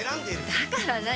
だから何？